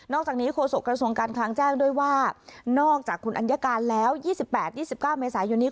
อกจากนี้โฆษกระทรวงการคลังแจ้งด้วยว่านอกจากคุณอัญญาการแล้ว๒๘๒๙เมษายนนี้